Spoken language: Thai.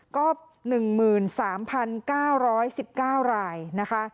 ก็๑๓๙๑๙รายนะคะ